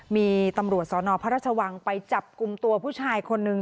มีตำรวจสนพระราชวังไปจับกลุ่มตัวผู้ชายคนนึง